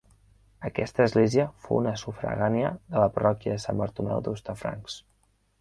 Aquesta església fou una sufragània de la parròquia de Sant Bartomeu d'Hostafrancs.